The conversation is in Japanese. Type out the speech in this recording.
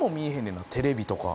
んなテレビとか。